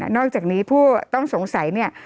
นอกจากนี้ผู้ต้องสงสัย